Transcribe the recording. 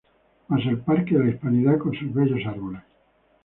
Mas el Parque de la Hispanidad con sus bellos arboles.